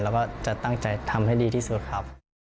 แล้วก็จะตั้งใจทำให้ดีที่สุดครับ